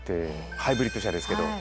ハイブリッド車ですけど。